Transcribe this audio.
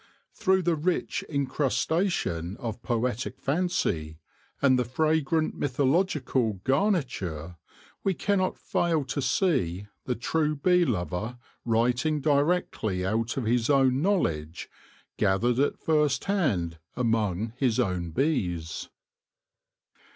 Through the rich incrustation of poetic fancy, and the fragrant mythological garniture, we cannot fail to see the true bee lover writing directly out of his own knowledge, gathered at first hand among his own bees.